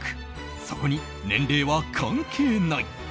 そこに、年齢は関係ない。